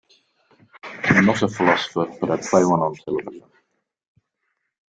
I'm not a philosopher, but I play one on television.